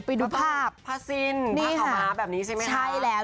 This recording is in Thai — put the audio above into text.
ไปดูภาพพระสินพระขอมฮาแบบนี้ใช่ไหมฮะใช่แล้ว